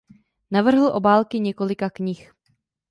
Navrhl obálky několika knih.